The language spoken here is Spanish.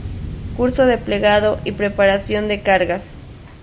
Curso de Plegado y preparación de Cargas.